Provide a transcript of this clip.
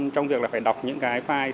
trong việc phải đọc những cái file